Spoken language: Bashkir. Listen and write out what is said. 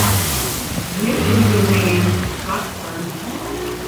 Ер өлгөрмәгән, батҡын...